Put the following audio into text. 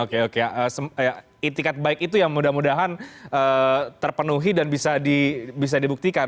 oke oke itikat baik itu yang mudah mudahan terpenuhi dan bisa dibuktikan